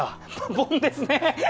ボンですね。